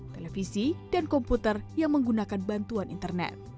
televisi dan komputer yang menggunakan bantuan internet